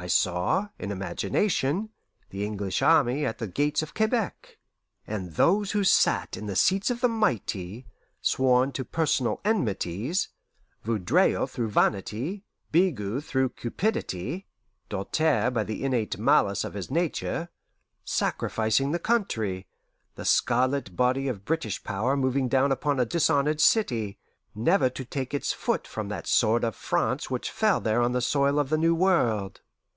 I saw, in imagination, the English army at the gates of Quebec, and those who sat in the seats of the mighty, sworn to personal enmities Vaudreuil through vanity, Bigot through cupidity, Doltaire by the innate malice of his nature sacrificing the country; the scarlet body of British power moving down upon a dishonoured city, never to take its foot from that sword of France which fell there on the soil of the New World.